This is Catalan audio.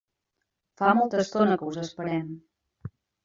Fa molta estona que us esperem.